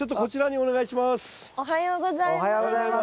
おはようございます。